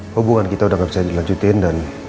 hubungan kita udah gak bisa dilanjutin dan